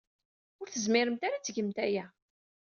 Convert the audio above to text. Ur tezmiremt ara ad tgemt aya!